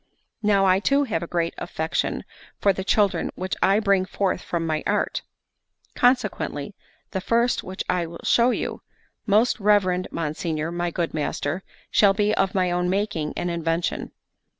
Now I too have a great affection for the children which I bring forth from my art; consequently the first which I will show you, most reverend monsignor my good master, shall be of my own making and invention.